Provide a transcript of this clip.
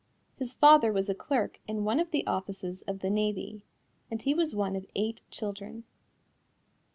His father was a clerk in one of the offices of the Navy, and he was one of eight children.